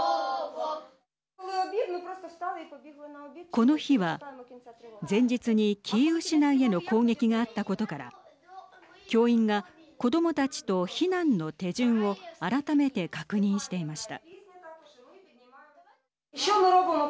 この日は前日にキーウ市内への攻撃があったことから教員が子どもたちと避難の手順を改めて確認していました。